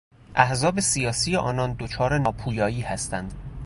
احزاب سیاسی آنان دچار ناپویایی هستند.